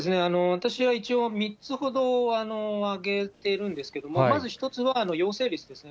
私は一応、３つほど挙げてるんですけども、まず１つは、陽性率ですね。